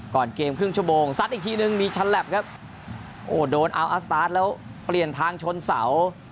ก่อนเกมครึ่งชั่วโมงซัดอีกทีนึงมีฉลับครับโอ้โดนอัลสตาร์ทแล้วเปลี่ยนทางชนเสา